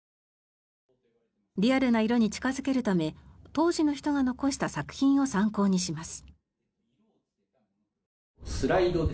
リアルな色に近付けるため当時の人が残した作品を参考にします。